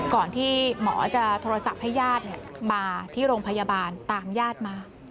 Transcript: ก่อนที่หมอจะโทรศัพท์ให้ญาติมาที่โรงพยาบาลตามญาติมา